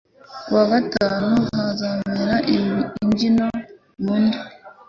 Ku wa gatanu, hazabera imbyino nkunda